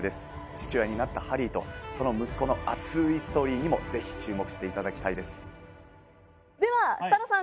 父親になったハリーとその息子の熱いストーリーにもぜひ注目していただきたいですでは設楽さん